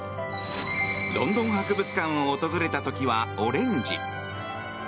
ロンドン博物館を訪れた時はオレンジ。